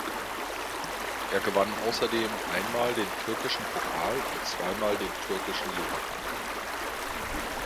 Er gewann außerdem einmal den türkischen Pokal und zweimal den türkischen Supercup.